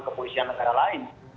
kepolisian negara lain